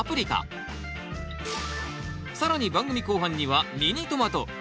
更に番組後半にはミニトマト。